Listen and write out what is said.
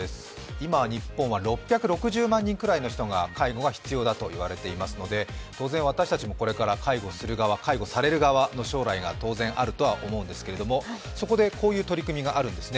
今、日本は６６０万人ぐらいの人が介護が必要だと言われていますので当然私たちもこれから介護する側、介護される側の将来が当然あるとは思うんですけれども、そこでこういう取り組みがあるんですね。